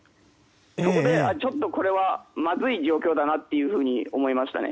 そこで、ちょっとこれはまずい状況だなと思いましたね。